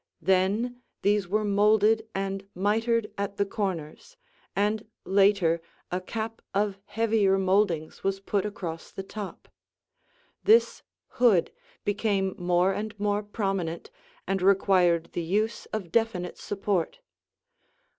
Then these were molded and mitered at the corners, and later a cap of heavier moldings was put across the top. This hood became more and more prominent and required the use of definite support.